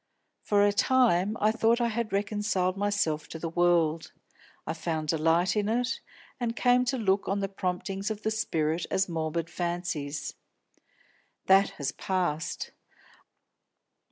For a time I thought I had reconciled myself to the world; I found delight in it, and came to look on the promptings of the spirit as morbid fancies. That has passed.